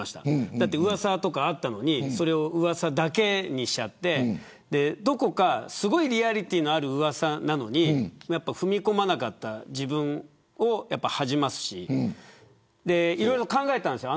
だって、うわさとかあったのにそれをうわさだけにしちゃってどこか、すごいリアリティーのあるうわさなのに踏み込まなかった自分を恥じますしいろいろ考えたんですよ